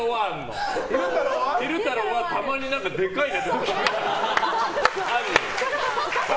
昼太郎はたまにでかい時ある。